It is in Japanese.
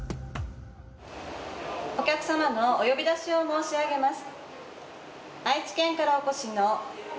お客様のお呼び出しを申し上げます。